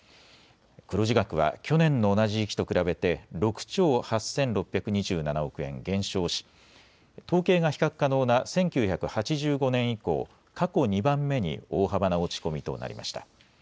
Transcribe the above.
黒字額は去年の同じ時期と比べて６兆８６２７億円減少し、統計が比較可能な１９８５年以降、過去２番目に大幅な落ち込みとなりました。